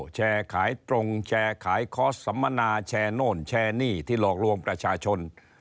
แชร์ขายตรงแชร์ขายคอร์สสัมมนาแชร์โน่นแชร์หนี้ที่หลอกลวงประชาชน